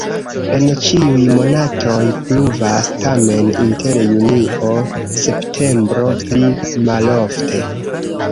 En ĉiuj monatoj pluvas, tamen inter junio-septembro pli malofte.